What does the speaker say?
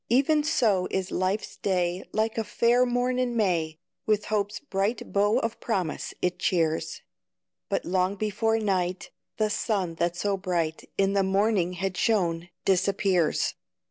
Even so is life's day, Like a fair morn in May, With hope's bright bow of promise it cheers; But long before night, The sun that so bright In the morning had shone, disappears.